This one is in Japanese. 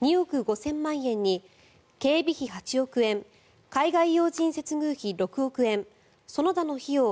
２億５０００万円に警備費８億円海外要人接遇費６億円その他の費用